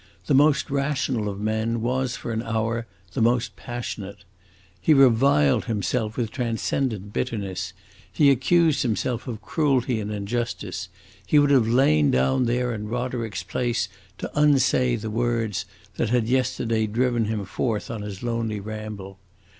The most rational of men was for an hour the most passionate. He reviled himself with transcendent bitterness, he accused himself of cruelty and injustice, he would have lain down there in Roderick's place to unsay the words that had yesterday driven him forth on his lonely ramble.